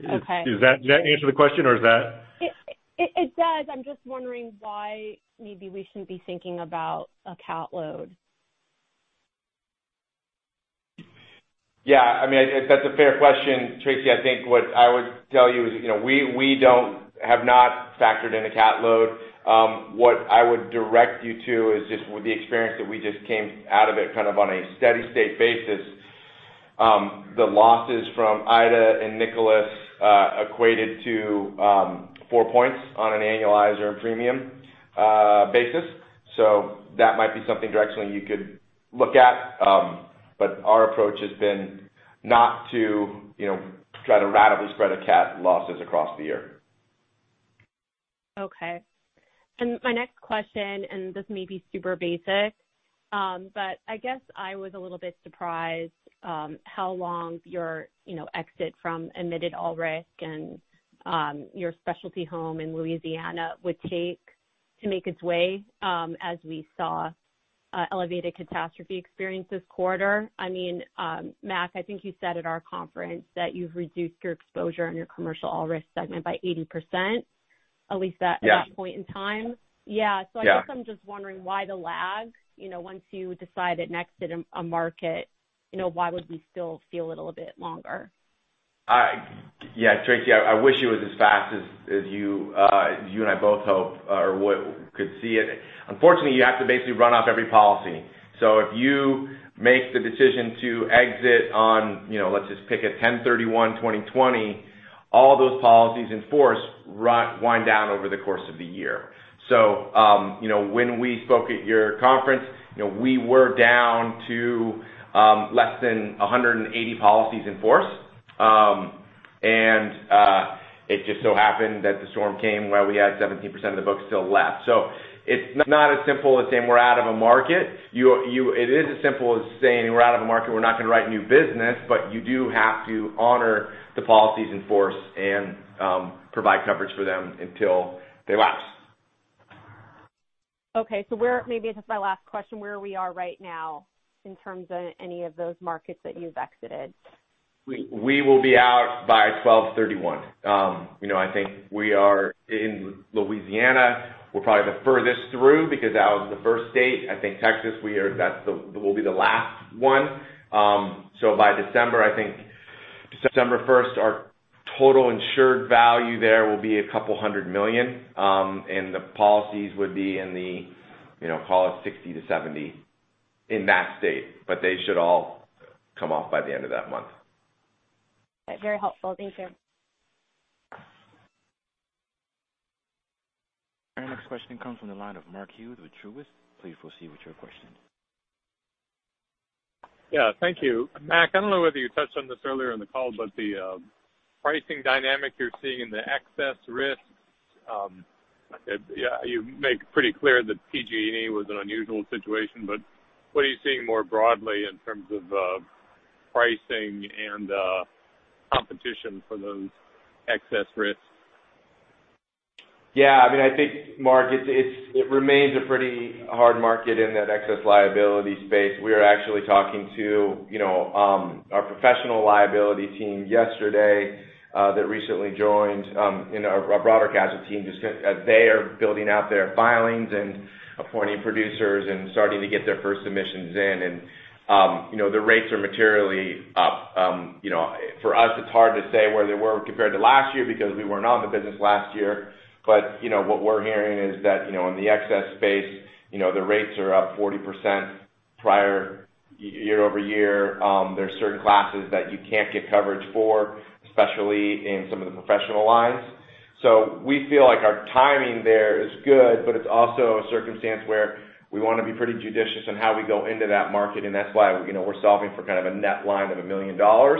Okay. Does that answer the question or is that? It does. I'm just wondering why maybe we shouldn't be thinking about a cat load. Yeah, that's a fair question, Tracy. I think what I would tell you is we have not factored in a cat load. What I would direct you to is just with the experience that we just came out of it kind of on a steady-state basis. The losses from Ida and Nicholas equated to four points on an annualized earned premium basis. That might be something directionally you could look at. Our approach has been not to try to radically spread the cat losses across the year. Okay. My next question, and this may be super basic, but I guess I was a little bit surprised how long your exit from Admitted All Risk and your specialty home in Louisiana would take to make its way, as we saw elevated catastrophe experience this quarter. I mean, Mac, I think you said at our conference that you've reduced your exposure on your commercial all-risk segment by 80%, at least at Yeah that point in time. Yeah. Yeah. I guess I'm just wondering why the lag. Once you decide to exit a market, why would we still see a little bit longer? Yeah, Tracy, I wish it was as fast as you and I both hope or could see it. Unfortunately, you have to basically run off every policy. If you make the decision to exit on, let's just pick a 10/31/2020, all those policies in force wind down over the course of the year. When we spoke at your conference, we were down to less than 180 policies in force. It just so happened that the storm came while we had 17% of the book still left. It's not as simple as saying we're out of a market. It is as simple as saying we're out of a market. We're not going to write new business, but you do have to honor the policies in force and provide coverage for them until they lapse. Okay. This is my last question. Where we are right now in terms of any of those markets that you've exited? We will be out by 12/31. I think we are in Louisiana, we're probably the furthest through because that was the first state. I think Texas will be the last one. By December, I think December 1st, our total insured value there will be a couple hundred million. The policies would be in the, call it 60 to 70 in that state, but they should all come off by the end of that month. Very helpful. Thank you. Our next question comes from the line of Mark Hughes with Truist. Please proceed with your question. Yeah, thank you. Mac, I don't know whether you touched on this earlier in the call. The pricing dynamic you're seeing in the excess risks, you make pretty clear that PG&E was an unusual situation. What are you seeing more broadly in terms of pricing and competition for those excess risks? Yeah, I think Mark, it remains a pretty hard market in that excess liability space. We are actually talking to our professional liability team yesterday that recently joined our broader Casualty team. They are building out their filings and appointing producers and starting to get their first submissions in. The rates are materially up. For us, it's hard to say where they were compared to last year because we were not in the business last year. What we're hearing is that in the excess space, the rates are up 40% year-over-year. There's certain classes that you can't get coverage for, especially in some of the professional lines. We feel like our timing there is good, but it's also a circumstance where we want to be pretty judicious on how we go into that market, and that's why we're solving for kind of a net line of $1 million on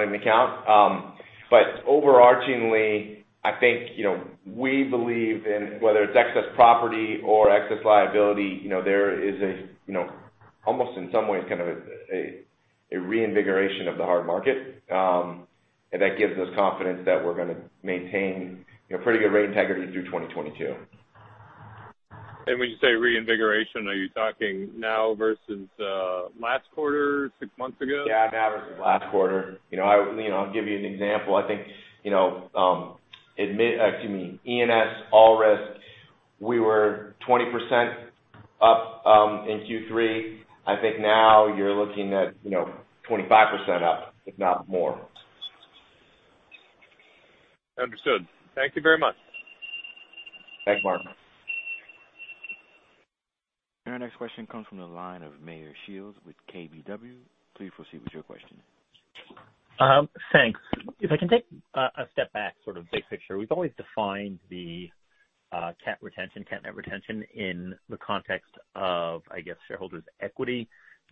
an account. Overarchingly, I think we believe in whether it's excess property or excess liability, there is almost in some ways, kind of a reinvigoration of the hard market. That gives us confidence that we're going to maintain pretty good rate integrity through 2022. When you say reinvigoration, are you talking now versus last quarter, six months ago? Yeah, now versus last quarter. I'll give you an example. I think, E&S, all risks, we were 20% up in Q3. I think now you're looking at 25% up, if not more. Understood. Thank you very much. Thanks, Mark. Our next question comes from the line of Meyer Shields with KBW. Please proceed with your question. Thanks. If I can take a step back, sort of big picture. We've always defined the cat net retention in the context of, I guess, shareholders' equity.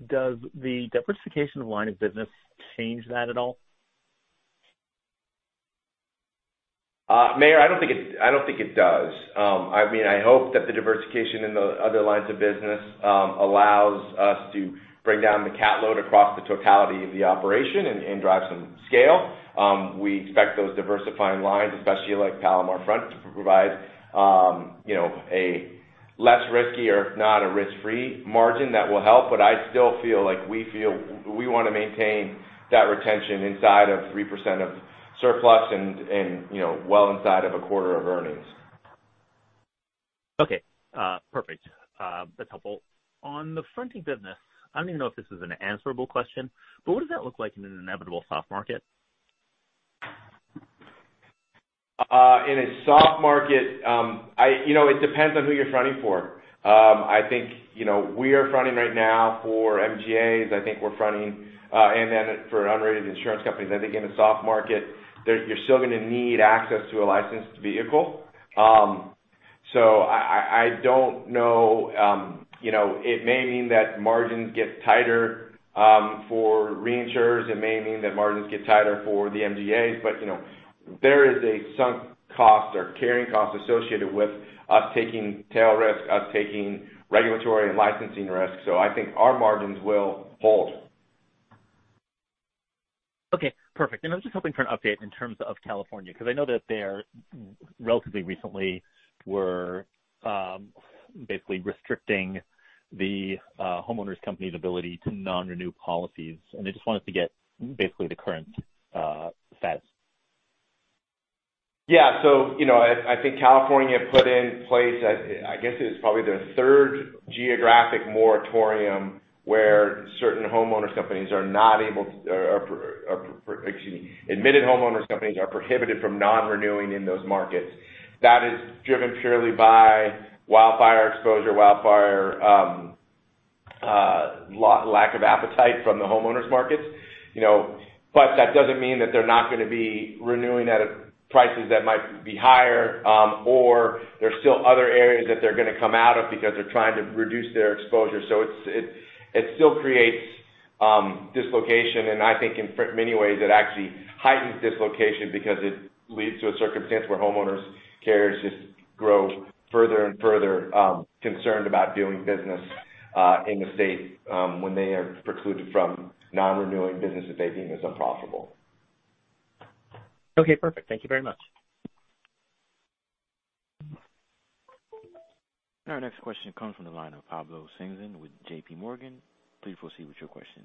Does the diversification of line of business change that at all? Meyer, I don't think it does. I hope that the diversification in the other lines of business allows us to bring down the cat load across the totality of the operation and drive some scale. We expect those diversifying lines, especially like Palomar Front, to provide a less risky or if not a risk-free margin that will help. I still feel like we want to maintain that retention inside of 3% of surplus and well inside of a quarter of earnings. Okay. Perfect. That's helpful. On the fronting business, I don't even know if this is an answerable question. What does that look like in an inevitable soft market? In a soft market, it depends on who you're fronting for. I think we are fronting right now for MGAs. I think we're fronting for unrated insurance companies. I think in a soft market, you're still going to need access to a licensed vehicle. I don't know. It may mean that margins get tighter for reinsurers. It may mean that margins get tighter for the MGAs. There is a sunk cost or carrying cost associated with us taking tail risk, us taking regulatory and licensing risk. I think our margins will hold. Okay, perfect. I'm just hoping for an update in terms of California, because I know that they relatively recently were basically restricting the homeowners' company's ability to non-renew policies. I just wanted to get basically the current status. Yeah. I think California put in place, I guess it is probably their third geographic moratorium, where certain admitted homeowners' companies are prohibited from non-renewing in those markets. That is driven purely by wildfire exposure, wildfire lack of appetite from the homeowners markets. That doesn't mean that they're not going to be renewing at prices that might be higher, or there's still other areas that they're going to come out of because they're trying to reduce their exposure. It still creates dislocation, and I think in many ways it actually heightens dislocation because it leads to a circumstance where homeowners' carriers just grow further and further concerned about doing business in the state when they are precluded from non-renewing business that they deem as unprofitable. Okay, perfect. Thank you very much. Our next question comes from the line of Pablo Singzon with J.P. Morgan. Please proceed with your question.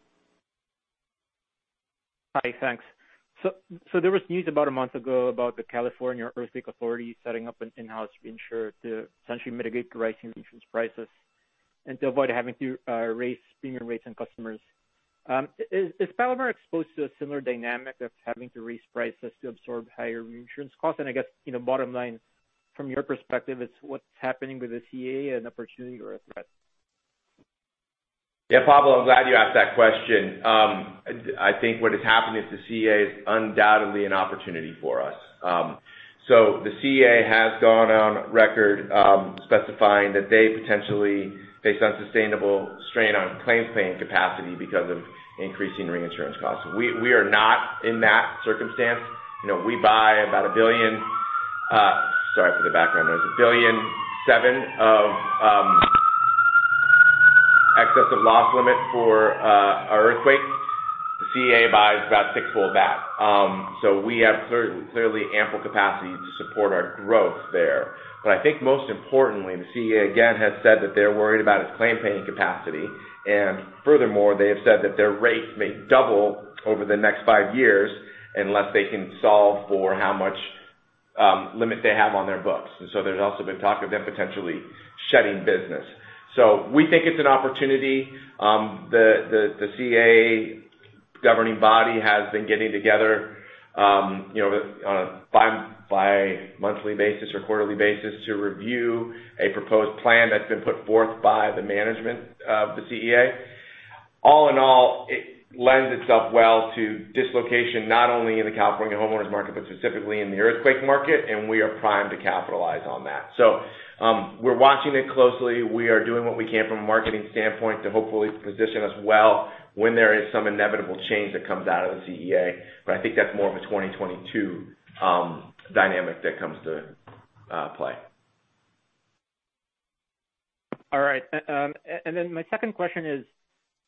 Hi, thanks. There was news about a month ago about the California Earthquake Authority setting up an in-house insurer to essentially mitigate the rising insurance prices and to avoid having to raise premium rates on customers. Is Palomar exposed to a similar dynamic of having to raise prices to absorb higher reinsurance costs? I guess, bottom line, from your perspective, is what's happening with the CEA an opportunity or a threat? Yeah, Pablo, I'm glad you asked that question. I think what has happened is the CEA is undoubtedly an opportunity for us. The CEA has gone on record specifying that they potentially face unsustainable strain on claims-paying capacity because of increasing reinsurance costs. We are not in that circumstance. We buy about $1.7 billion of excess of loss limit for our earthquake. The CEA buys about sixfold that. We have clearly ample capacity to support our growth there. I think most importantly, the CEA again has said that they're worried about its claim-paying capacity. Furthermore, they have said that their rates may double over the next five years unless they can solve for how much limit they have on their books. There's also been talk of them potentially shedding business. We think it's an opportunity. The CEA governing body has been getting together on a bi-monthly basis or quarterly basis to review a proposed plan that's been put forth by the management of the CEA. All in all, it lends itself well to dislocation, not only in the California homeowners market, but specifically in the earthquake market, and we are primed to capitalize on that. We're watching it closely. We are doing what we can from a marketing standpoint to hopefully position us well when there is some inevitable change that comes out of the CEA. I think that's more of a 2022 dynamic that comes to play. All right. My second question is,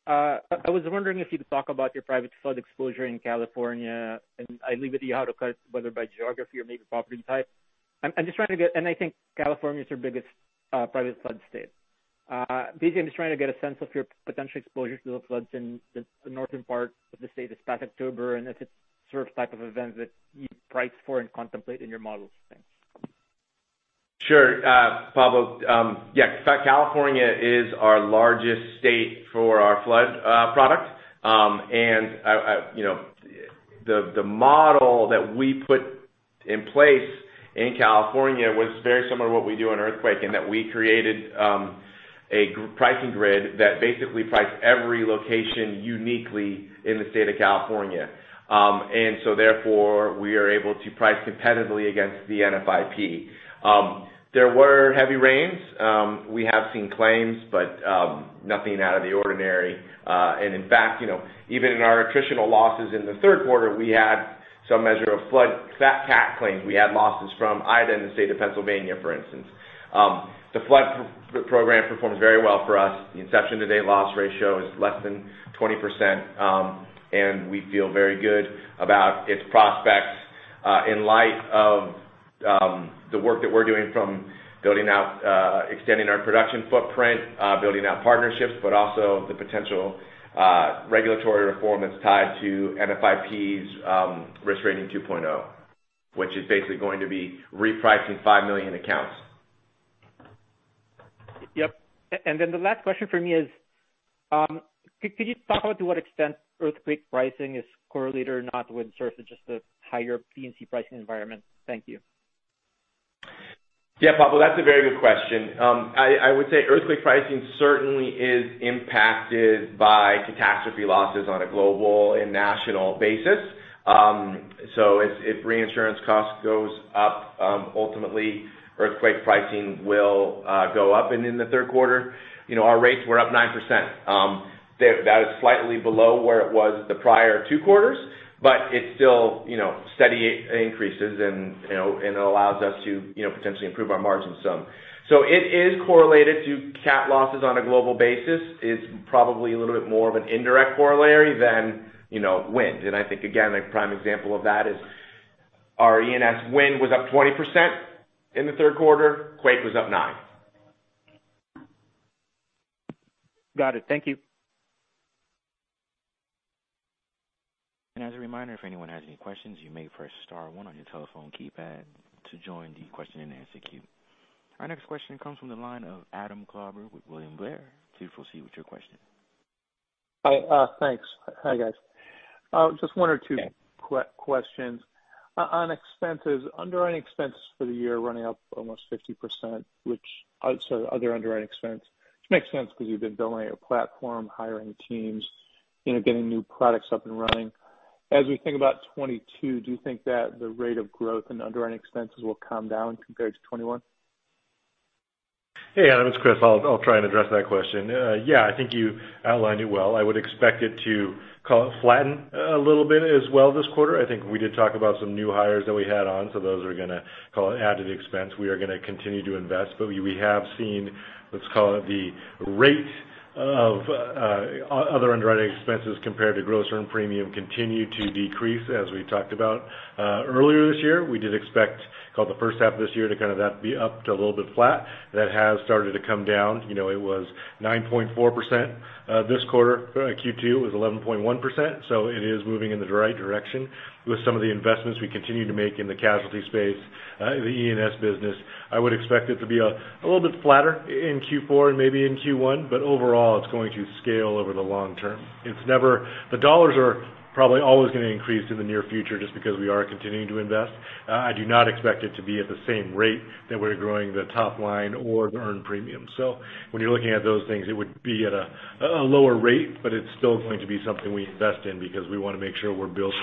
I was wondering if you could talk about your private flood exposure in California, and I leave it to you how to cut, whether by geography or maybe property type. I think California is your biggest private flood state. Basically, I'm just trying to get a sense of your potential exposure to the floods in the northern part of the state this past October, and if it's the sort of type of event that you price for and contemplate in your models. Thanks. Sure. Pablo, in fact, California is our largest state for our flood product. The model that we put in place in California was very similar to what we do in earthquake, in that we created a pricing grid that basically priced every location uniquely in the state of California. So therefore, we are able to price competitively against the NFIP. There were heavy rains. We have seen claims, but nothing out of the ordinary. In fact, even in our attritional losses in the third quarter, we had some measure of flood cat claims. We had losses from Ida in the state of Pennsylvania, for instance. The flood program performed very well for us. The inception-to-date loss ratio is less than 20%, and we feel very good about its prospects in light of the work that we're doing from extending our production footprint, building out partnerships, also the potential regulatory reform that's tied to NFIP's Risk Rating 2.0, which is basically going to be repricing 5 million accounts. Yep. The last question from me is, could you talk about to what extent earthquake pricing is correlated or not with sort of just the higher P&C pricing environment? Thank you. Yeah, Pablo, that's a very good question. I would say earthquake pricing certainly is impacted by catastrophe losses on a global and national basis. If reinsurance cost goes up, ultimately earthquake pricing will go up. In the third quarter, our rates were up 9%. That is slightly below where it was the prior two quarters, but it's still steady increases, it allows us to potentially improve our margins some. It is correlated to cat losses on a global basis. It's probably a little bit more of an indirect corollary than wind. I think, again, a prime example of that is Our E&S wind was up 20% in the third quarter. Quake was up 9%. Got it. Thank you. As a reminder, if anyone has any questions, you may press star one on your telephone keypad to join the question and answer queue. Our next question comes from the line of Adam Klauber with William Blair. Please proceed with your question. Hi. Thanks. Hi, guys. Just one or two questions. On expenses, underwriting expenses for the year running up almost 50%, which Sorry, other underwriting expense, which makes sense because you've been building out your platform, hiring teams, getting new products up and running. As we think about 2022, do you think that the rate of growth in underwriting expenses will come down compared to 2021? Hey, Adam, it's Chris. I'll try and address that question. Yeah, I think you outlined it well. I would expect it to call it flatten, a little bit as well this quarter. I think we did talk about some new hires that we had on, so those are going to call it add to the expense. We are going to continue to invest. We have seen, let's call it, the rate of other underwriting expenses compared to gross earned premium continue to decrease, as we talked about earlier this year. We did expect the first half of this year to kind of that be up to a little bit flat. That has started to come down. It was 9.4%. This quarter, Q2, it was 11.1%, so it is moving in the right direction. With some of the investments we continue to make in the casualty space, the E&S business, I would expect it to be a little bit flatter in Q4 and maybe in Q1. Overall, it's going to scale over the long term. The dollars are probably always going to increase in the near future just because we are continuing to invest. I do not expect it to be at the same rate that we're growing the top line or the earned premium. When you're looking at those things, it would be at a lower rate, but it's still going to be something we invest in because we want to make sure we're building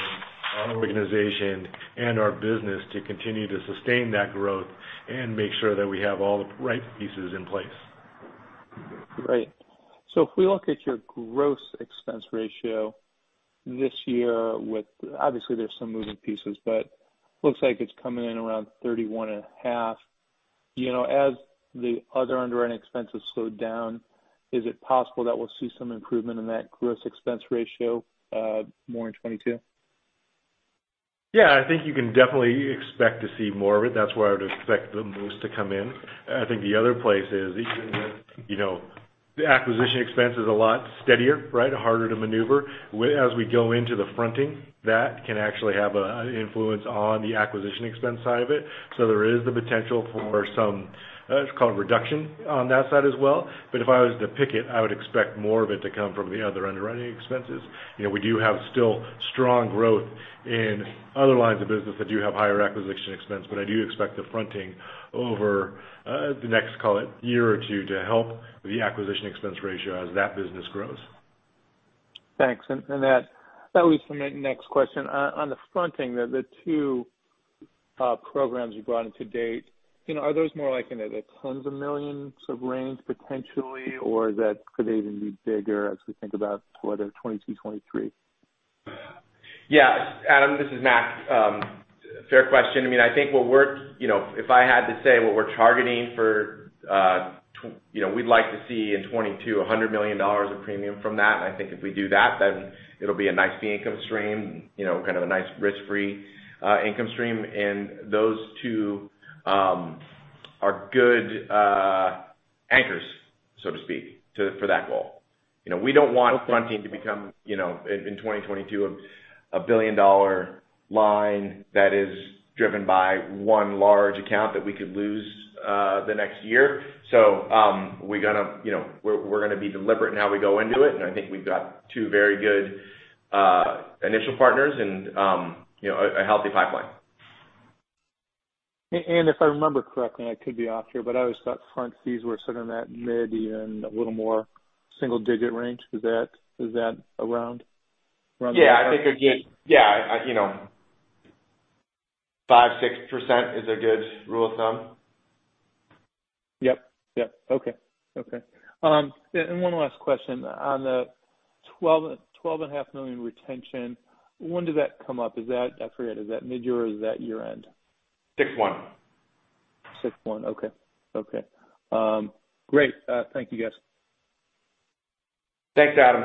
our organization and our business to continue to sustain that growth and make sure that we have all the right pieces in place. Right. If we look at your gross expense ratio this year with Obviously, there's some moving pieces, but looks like it's coming in around 31 and a half. As the other underwriting expenses slow down, is it possible that we'll see some improvement in that gross expense ratio more in 2022? Yeah, I think you can definitely expect to see more of it. That's where I would expect the most to come in. I think the other place is E&S. The acquisition expense is a lot steadier, right? Harder to maneuver. As we go into the fronting, that can actually have an influence on the acquisition expense side of it. There is the potential for some, let's call it, reduction on that side as well. But if I was to pick it, I would expect more of it to come from the other underwriting expenses. We do have still strong growth in other lines of business that do have higher acquisition expense, but I do expect the fronting over the next, call it, year or two to help the acquisition expense ratio as that business grows. Thanks. That leads to my next question. On the fronting, the two programs you've brought in to date, are those more like in the tens of millions of range potentially, or could they even be bigger as we think about calendar 2022, 2023? Yeah. Adam, this is Mac. Fair question. If I had to say what we're targeting for We'd like to see in 2022, $100 million of premium from that. I think if we do that, it'll be a nice income stream, kind of a nice risk-free income stream. Those two are good anchors, so to speak, for that goal. We don't want fronting to become, in 2022, a billion-dollar line that is driven by one large account that we could lose the next year. We're going to be deliberate in how we go into it, I think we've got two very good initial partners and a healthy pipeline. If I remember correctly, I could be off here, I always thought front fees were sort of in that mid, even a little more single-digit range. Is that around the mark? Yeah, five, six% is a good rule of thumb. Okay. One last question. On the $12.5 million retention, when did that come up? I forget, is that mid-year or is that year-end? Six one. Six one. Okay. Great. Thank you, guys. Thanks, Adam.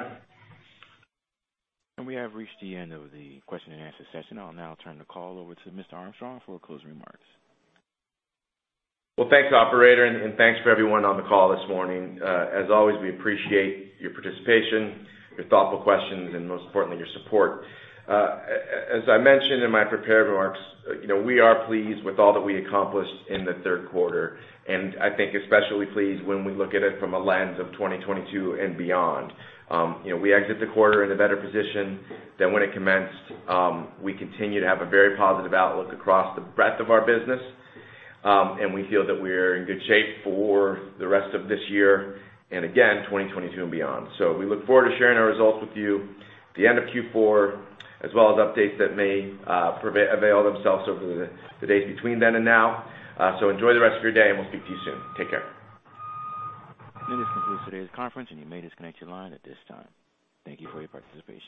We have reached the end of the question and answer session. I'll now turn the call over to Mr. Armstrong for closing remarks. Well, thanks, operator, and thanks for everyone on the call this morning. As always, we appreciate your participation, your thoughtful questions, and most importantly, your support. As I mentioned in my prepared remarks, we are pleased with all that we accomplished in the third quarter, and I think especially pleased when we look at it from a lens of 2022 and beyond. We exit the quarter in a better position than when it commenced. We continue to have a very positive outlook across the breadth of our business, and we feel that we're in good shape for the rest of this year and again, 2022 and beyond. We look forward to sharing our results with you at the end of Q4, as well as updates that may avail themselves over the days between then and now. Enjoy the rest of your day, and we'll speak to you soon. Take care. This concludes today's conference, and you may disconnect your line at this time. Thank you for your participation.